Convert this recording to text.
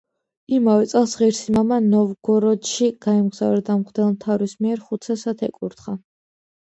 იმავე წელს ღირსი მამა ნოვგოროდში გაემგზავრა და მღვდელმთავრის მიერ ხუცესად ეკურთხა.